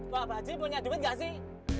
pak baji punya duit gak sih